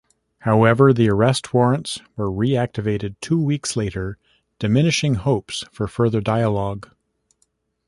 However, the arrest warrants were reactivated two weeks later, diminishing hopes for further dialogue.